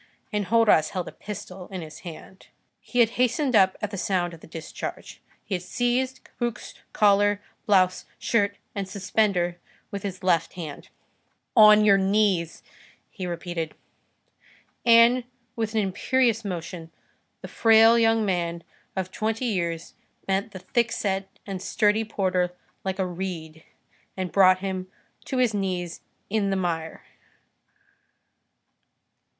Enjolras held a pistol in his hand. He had hastened up at the sound of the discharge. He had seized Cabuc's collar, blouse, shirt, and suspender with his left hand. "On your knees!" he repeated. And, with an imperious motion, the frail young man of twenty years bent the thickset and sturdy porter like a reed, and brought him to his knees in the mire.